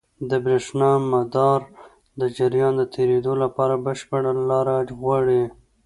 د برېښنا مدار د جریان د تېرېدو لپاره بشپړ لاره غواړي.